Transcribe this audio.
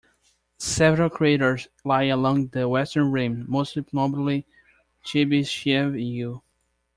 Several craters lie along the western rim, most notably Chebyshev U.